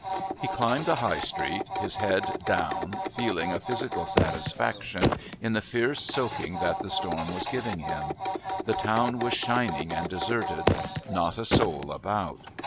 He climbed the High Street, his head down, feeling a physical satisfaction in the fierce soaking that the storm was giving him. The town was shining and deserted. Not a soul about.